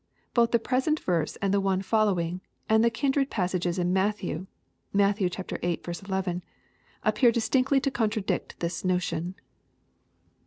Both the present verse, and the one following, and the kindred passage in Matthew, (Matt. viiL 11,) appear distinctly to contradict this notion.